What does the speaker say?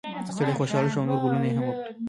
سړی خوشحاله شو او نور ګلونه یې هم وکري.